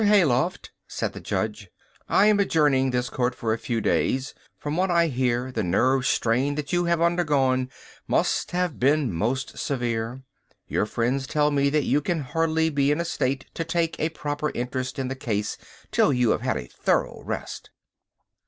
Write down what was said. Hayloft," said the judge, "I am adjourning this court for a few days. From what I hear the nerve strain that you have undergone must have been most severe. Your friends tell me that you can hardly be in a state to take a proper interest in the case till you have had a thorough rest."